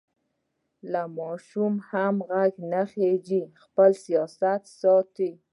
له ماشومه هم غږ نه خېژي؛ خپل سیاست ساتي.